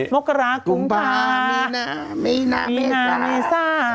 โมกระกุ๊มพามินามิซา